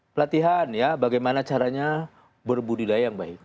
pelatihan ya bagaimana caranya berbudidaya yang baik